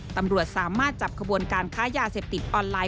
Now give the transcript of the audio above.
ตำรวจสามารถจับขบวนการค้ายาเสพติดออนไลน